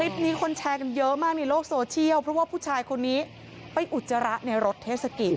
คนแชร์กันเยอะมากในโลกโซเชียลเพราะว่าผู้ชายคนนี้ไปอุจจาระในรถเทศกิจ